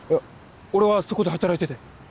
俺はそこで働いてて。